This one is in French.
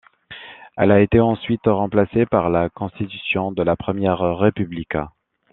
Elle a été ensuite remplacée par la constitution de la Première République.